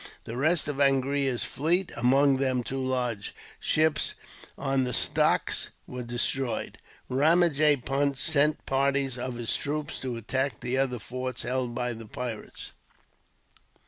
The rest of Angria's fleet, among them two large ships on the stocks, was destroyed. Ramajee Punt sent parties of his troops to attack the other forts held by the pirates.